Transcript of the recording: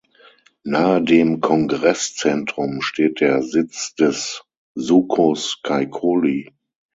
Nahe dem Kongresszentrum steht der Sitz des Sucos Caicoli.